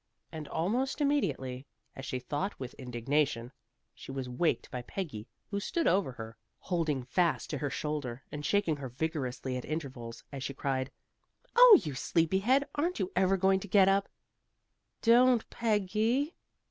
And almost immediately, as she thought with indignation, she was waked by Peggy, who stood over her, holding fast to her shoulder and shaking her vigorously at intervals, as she cried: "Oh, you sleepy head! Aren't you ever going to get up?" "Don't, Peggy!"